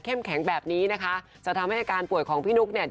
แข็งแบบนี้นะคะจะทำให้อาการป่วยของพี่นุ๊กเนี่ย